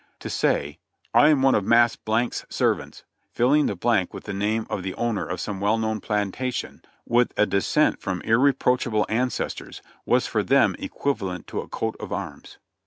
To say, "I am one of Mass. 's servants," filling the blank with the name of the owner of some well known plantation, with a descent from irreproachable ancestors, was for them equiv alent to a coat of arms.